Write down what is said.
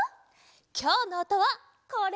きょうのおとはこれ！